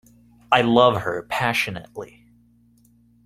I love her passionately.